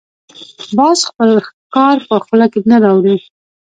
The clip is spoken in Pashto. باز خپل ښکار په خوله نه راوړي